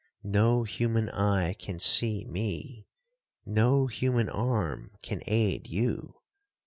No human eye can see me—no human arm can aid you.